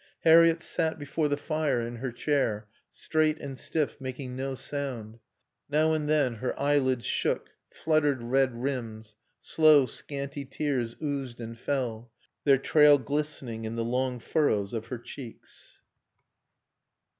Harriett sat before the fire in her chair, straight and stiff, making no sound. Now and then her eyelids shook, fluttered red rims; slow, scanty tears oozed and fell, their trail glistening in the long furrows of her cheeks.